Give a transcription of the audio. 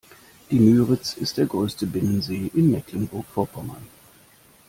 Die Müritz ist der größte Binnensee in Mecklenburg-Vorpommern.